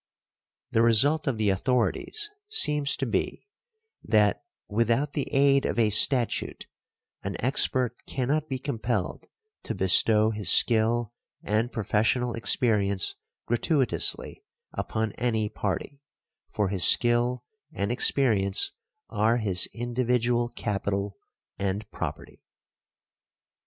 The result of the authorities seems to be that, without the aid of a statute, an expert cannot be compelled to bestow his skill and professional experience gratuitously upon any party, for his skill and experience are his individual capital and property.